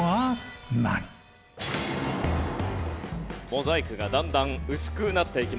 モザイクがだんだん薄くなっていきます。